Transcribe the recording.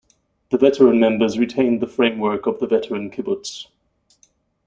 The veteran members retained the framework of the veteran kibbutz.